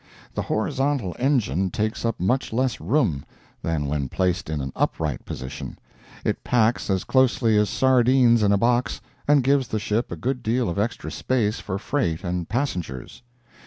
The horizontal engine takes up much less room than when placed in an upright position; it packs as closely as sardines in a box and gives the ship a good deal of extra space for freight and passengers.